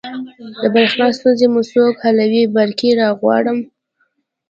د بریښنا ستونزې مو څوک حلوی؟ برقي راغواړم